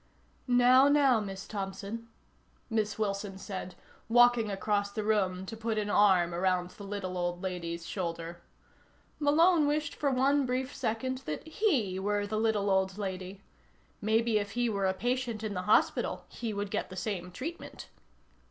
"Now, now, Miss Thompson," Miss Wilson said, walking across the room to put an arm around the little old lady's shoulder. Malone wished for one brief second that he were the little old lady. Maybe if he were a patient in the hospital he would get the same treatment.